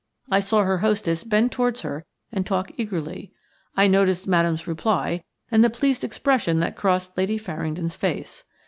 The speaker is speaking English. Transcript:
I saw her hostess bend towards her and talk eagerly. I noticed Madame's reply and the pleased expression that crossed Lady Farringdon's face.